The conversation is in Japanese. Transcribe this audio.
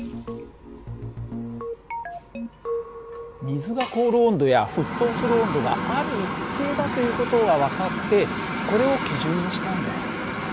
水が凍る温度や沸騰する温度がある一定だという事が分かってこれを基準にしたんだよ。